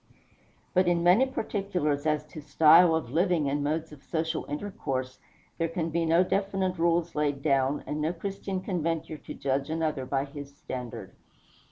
But in many particulars as to style of living and modes of social intercourse, there can be no definite rules laid down, and no Christian can venture to judge another by his standard.